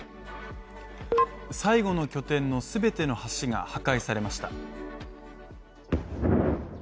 最後の拠点の全ての橋が破壊されました。